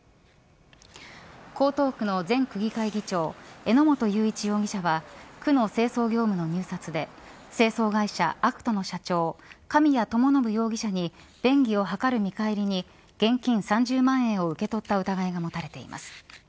江東区の前区議会議長榎本雄一容疑者は区の清掃業務の入札で清掃会社アクトの社長神谷知伸容疑者に便宜を図る見返りに現金３０万円を受け取った疑いが持たれています。